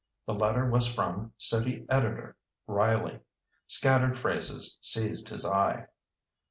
The letter was from City Editor, Riley. Scattered phrases seized his eye